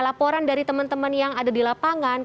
laporan dari teman teman yang ada di lapangan